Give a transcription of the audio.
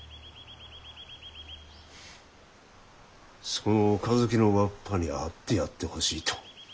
その岡崎のわっぱに会ってやってほしいと。